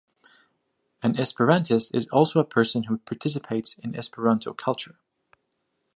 An Esperantist is also a person who participates in Esperanto culture.